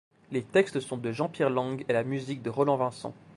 Les textes sont de Jean-Pierre Lang et la musique de Roland Vincent.